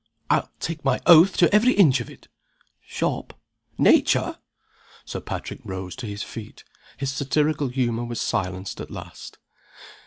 "I'll take my oath to every inch of it!" "Shop?" "Nature!" Sir Patrick rose to his feet; his satirical humor was silenced at last.